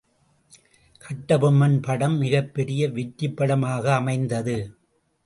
கட்டபொம்மன் படம் மிகப்பெரிய வெற்றிப்படமாக அமைந்தது.